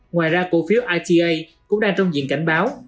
ngoài ra cổ phiếu ita cũng đang trong diện cảnh báo